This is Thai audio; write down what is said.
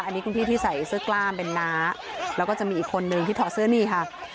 อันนี้คุณพี่ที่ใส่เสื้อกล้ามเป็นน้าแล้วก็จะมีอีกคนนึงที่ถอดเสื้อนี่ค่ะ